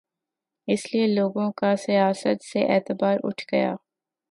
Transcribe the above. اس لیے لوگوں کا سیاست سے اعتبار اٹھ گیا۔